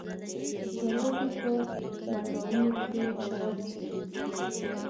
چارواکي په بنډارونو کښې شراب چښي.